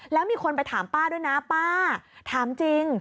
แล้วมีคนไปถามป้าด้วยนะป้าถามจริง